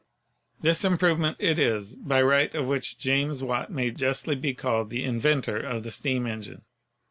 This improvement it is by right of which James Watt may justly be called the "inventor" of the steam engine.